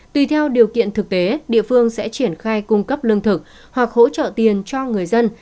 tùy theo điều kiện thực tế địa phương sẽ triển khai cung cấp lương thực hoặc hỗ trợ tiền cho người dân